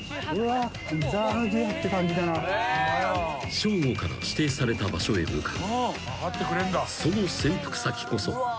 ［ＳＨＯＧＯから指定された場所へ向かう］